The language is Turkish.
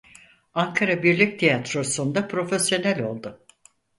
Ankara Birlik Tiyatrosu'nda profesyonel oldu.